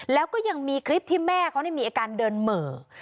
แล้วก็ยังมีคลิปที่แม่เขามีอาการเดินเหม่อ